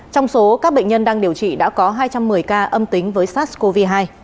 trong số các bệnh nhân đang điều trị đã có hai trăm một mươi ca âm tính với sars cov hai